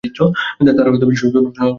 তারা সোনাগুলো কখনো এখানে আনেইনি।